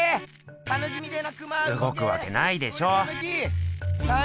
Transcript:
うごくわけないでしょ。